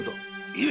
いえ！